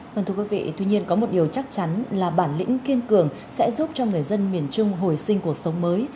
vâng thưa quý vị tuy nhiên có một điều chắc chắn là bản lĩnh kiên cường sẽ giúp cho người dân miền trung hồi sinh cuộc sống mới